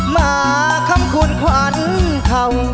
มาคำคุณขวัญเข่า